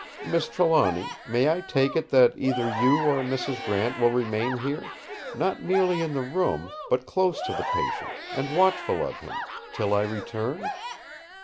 Miss Trelawny, may I take it that either you or Mrs. Grant will remain here—not merely in the room, but close to the patient and watchful of him—till I return?"